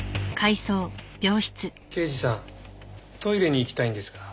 刑事さんトイレに行きたいんですが。